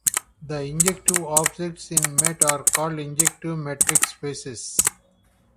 The injective objects in Met are called injective metric spaces.